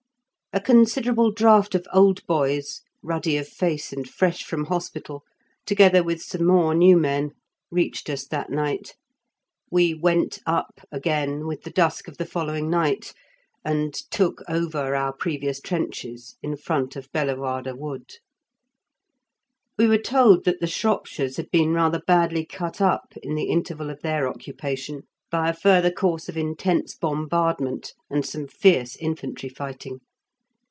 A considerable draft of "old boys," ruddy of face and fresh from hospital, together with some more new men reached us that night. We "went up" again with the dusk of the following night and "took over" our previous trenches in front of Belle waarde Wood. We were told that the Shropshires had been rather badly cut up in the interval of their occupation by a further course of intense bombardment and some fierce infantry fighting.